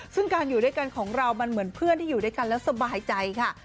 ซึ่งการอยู่ด้วยกันของเรามันเหมือนเพื่อนที่อยู่ด้วยกันแล้วสบายใจค่ะ